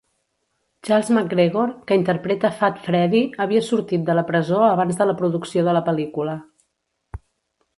Charles McGregor, que interpreta Fat Freddie, havia sortit de la presó abans de la producció de la pel·lícula.